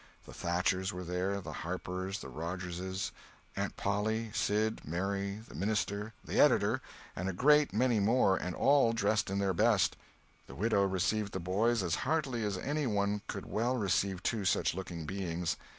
The Thatchers were there, the Harpers, the Rogerses, Aunt Polly, Sid, Mary, the minister, the editor, and a great many more, and all dressed in their best. The widow received the boys as heartily as any one could well receive two such looking beings.